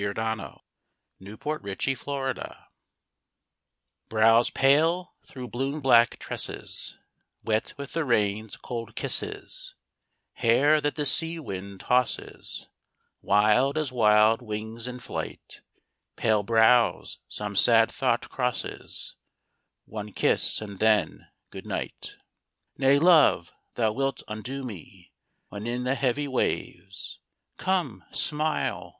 PARTING OF LEANDER AND HERO I Brows pale through blue black tresses Wet with the rain's cold kisses; Hair that the sea wind tosses, Wild as wild wings in flight; Pale brows, some sad thought crosses, One kiss and then good night. II Nay, love! thou wilt undo me When in the heavy waves! Come, smile!